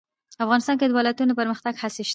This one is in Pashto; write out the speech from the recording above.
افغانستان کې د ولایتونو د پرمختګ هڅې شته.